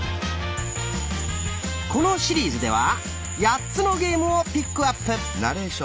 このシリーズでは８つのゲームをピックアップ。